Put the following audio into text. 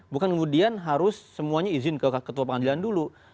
bukan kemudian harus semuanya izin ke ketua pengadilan dulu